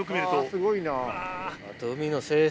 すごいな。